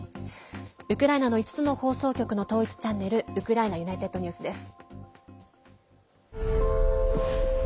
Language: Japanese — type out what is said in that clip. ウクライナの５つの放送局の統一チャンネルウクライナＵｎｉｔｅｄＮｅｗｓです。